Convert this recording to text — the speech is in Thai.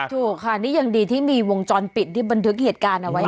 ถูกค่ะนี่ยังดีที่มีวงจรปิดที่บันทึกเหตุการณ์เอาไว้